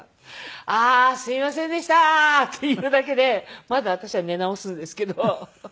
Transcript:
「ああーすいませんでした」って言うだけでまた私は寝直すんですけど。